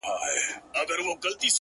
دغه اوږده شپه تر سهاره څنگه تېره كړمه “